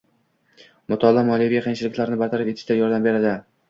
Mutolaa moliyaviy qiyinchiliklarni bartaraf etishda yordam beradi.